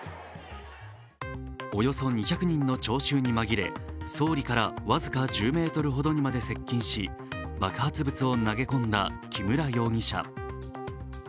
およそ２００人の聴衆に紛れ総理から僅か１０ｍほどにまで接近し爆発物を投げ込んだ木村容疑者。